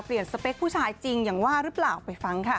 สเปคผู้ชายจริงอย่างว่าหรือเปล่าไปฟังค่ะ